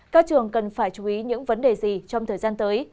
các trường cần phải chú ý những vấn đề gì trong thời gian tới